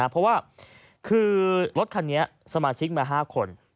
เพราะว่าคือรถคันนี้สมาชิกมา๕คน